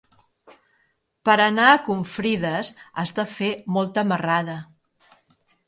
Per anar a Confrides has de fer molta marrada.